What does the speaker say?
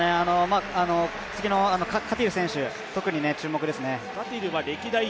次のカティル選手、特に注目ですね。